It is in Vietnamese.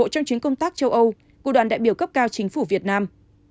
trong chuyến công tác châu âu của đoàn đại biểu cấp cao chính phủ việt nam